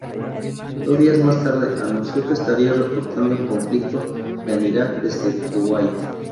Dos días más tarde, anunció que estaría reportando el conflicto en Iraq desde Kuwait.